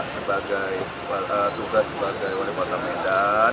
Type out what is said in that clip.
sebagai tugas sebagai wali kota medan